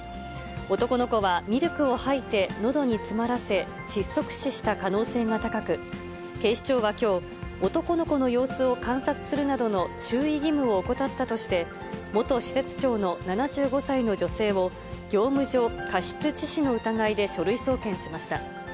男の子はミルクを吐いてのどに詰まらせ、窒息死した可能性が高く、警視庁はきょう、男の子の様子を観察するなどの注意義務を怠ったとして、元施設長の７５歳の女性を、業務上過失致死の疑いで書類送検しました。